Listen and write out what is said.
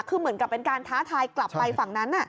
คือเหมือนกับเป็นการท้าทายกลับไปฝั่งนั้น